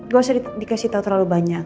gak usah dikasih tau terlalu banyak